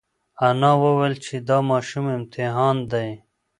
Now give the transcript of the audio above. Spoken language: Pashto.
انا وویل چې دا ماشوم امتحان دی.